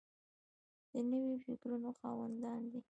د نویو فکرونو خاوندان دي.